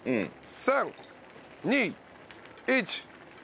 ３２１。